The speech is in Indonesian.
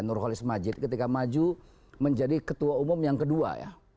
nurholis majid ketika maju menjadi ketua umum yang kedua ya